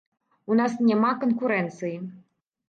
У нас няма канкурэнцыі.